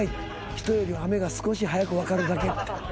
人より雨が少し早く分かるだけ。